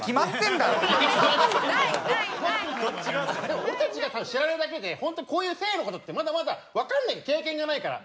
でも俺たちが知らないだけで本当にこういう性の事ってまだまだわかんない経験がないから。